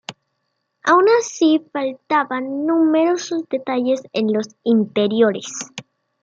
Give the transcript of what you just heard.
Aun así, faltaban numerosos detalles en los interiores.